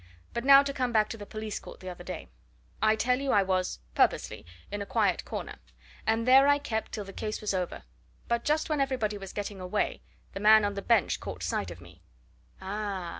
But now to come back to the police court the other day: I tell you, I was purposely in a quiet corner, and there I kept till the case was over; but just when everybody was getting away, the man on the bench caught sight of me " "Ah!"